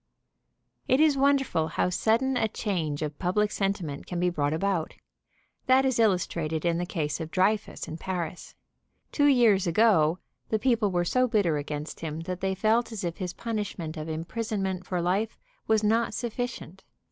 It is wonderful how sudden a change of public sen timent can be brought about. That is illustrated in the case of Dreyfus in Paris. Two years ago the peo ple were so bitter against him that they felt as if his punishment of imprisonment for life was not suffi cient.